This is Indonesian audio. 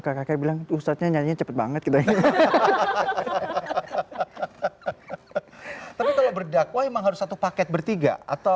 kakaknya bilang ustadz nyanyinya cepet banget kita ini tapi kalau berdakwah harus satu paket bertiga